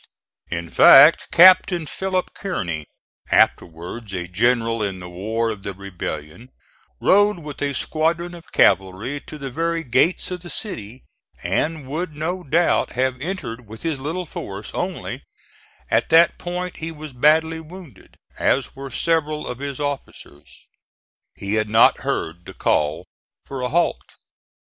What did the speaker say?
In fact, Captain Philip Kearney afterwards a general in the war of the rebellion rode with a squadron of cavalry to the very gates of the city, and would no doubt have entered with his little force, only at that point he was badly wounded, as were several of his officers. He had not heard the call for a halt.